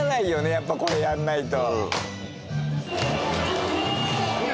やっぱこれやんないと。